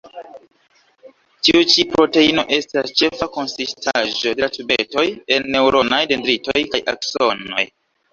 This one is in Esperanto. Tiu ĉi proteino estas ĉefa konsistaĵo de la tubetoj en neŭronaj dendritoj kaj aksonoj.